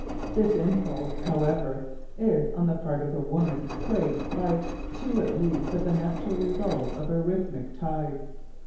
This impulse, however, is, on the part of the woman, swayed by two at least of the natural results of her rhythmic tides.